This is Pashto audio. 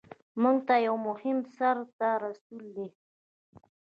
مونږ ته یو مهم سر ته رسول دي.